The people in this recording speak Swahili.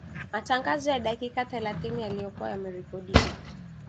Matangazo ya dakika thelathini yaliyokuwa yamerekodiwa